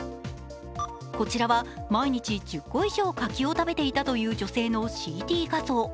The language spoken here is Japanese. こちらは毎日１０個以上柿を食べていたという女性のＣＴ画像。